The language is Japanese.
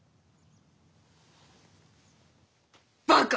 バカ！